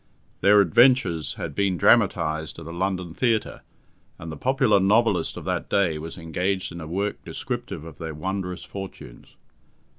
Their adventures had been dramatized at a London theatre, and the popular novelist of that day was engaged in a work descriptive of their wondrous fortunes.